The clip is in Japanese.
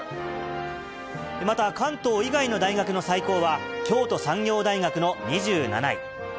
また、関東以外の大学の最高は、京都産業大学の２７位。